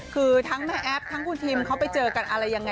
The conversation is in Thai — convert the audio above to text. คือทั้งแม่แอฟทั้งคุณทิมเขาไปเจอกันอะไรยังไง